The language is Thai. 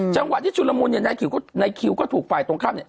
จังหวะที่ชุดละมุนเนี่ยนายคิวก็ถูกฝ่ายตรงข้ามเนี่ย